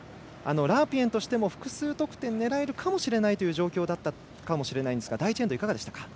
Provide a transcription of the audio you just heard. ラープイェンとしても複数得点狙えるかもしれないという状況でしたが第１エンド、いかがでしたか。